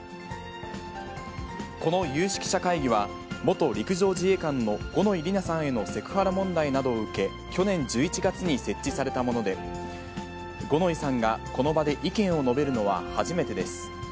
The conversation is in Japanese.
この有識者会議は、元陸上自衛官の五ノ井里奈さんへのセクハラ問題などを受け、去年１１月に設置されたもので、五ノ井さんがこの場で意見を述べるのは初めてです。